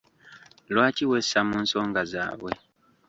Lwaki wessa mu nsonga zaabwe?